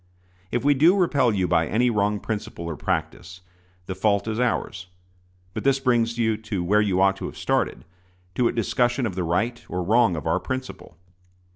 If we do repel you by any wrong principle or practice, the fault is ours; but this brings you to where you ought to have started to a discussion of the right or wrong of our principle.